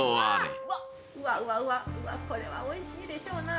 うわうわ、これはおいしいでしょうなぁ。